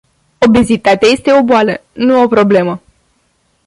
Obezitatea este o boală, nu o problemă.